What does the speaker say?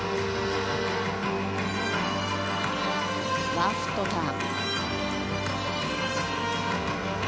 ワンフットターン。